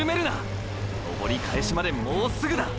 登り返しまでもうすぐだ！！